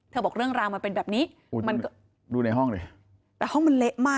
เธอบอกเรื่องราวมันเป็นแบบนี้